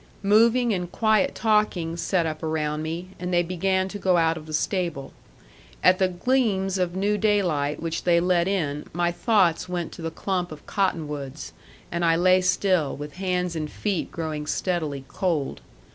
Moving and quiet talking set up around me, and they began to go out of the stable. At the gleams of new daylight which they let in my thoughts went to the clump of cottonwoods, and I lay still with hands and feet growing steadily cold.